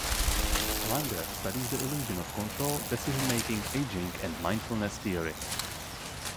Langer studies the illusion of control, decision-making, aging, and mindfulness theory.